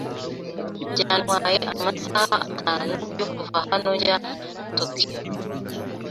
Byantwaye amasaha atanu yo kuva hano njya Tokiyo.